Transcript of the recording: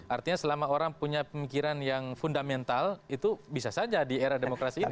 artinya selama orang punya pemikiran yang fundamental itu bisa saja di era demokrasi ini